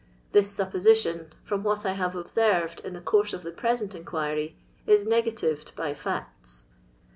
This supposition, from what I have observed in the course of the present inquiry, is negatived by Cscts.